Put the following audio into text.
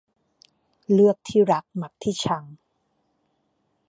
เลือกที่รักมักที่ชัง